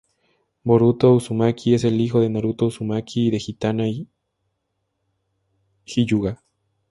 Boruto Uzumaki es el hijo de Naruto Uzumaki y de Hinata Hyuga.